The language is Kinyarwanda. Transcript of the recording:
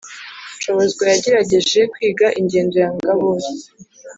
Nshobozwa yagerageje kwiga ingendo ya ngabori.